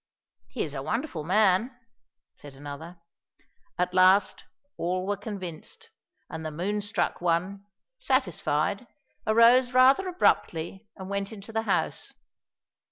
"He is a wonderful man," said another. At last all were convinced and the Moon Struck One, satisfied, arose rather abruptly, and went into the house.